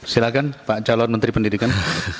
silahkan pak calon menteri pendidikan